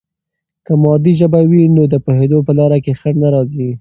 که مادي ژبه وي، نو د پوهیدو په لاره کې خنډ نه راځي.